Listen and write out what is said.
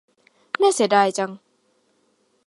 น่าเสียดายจัง